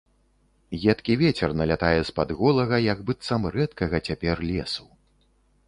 Едкі вецер налятае з-пад голага, як быццам рэдкага цяпер, лесу.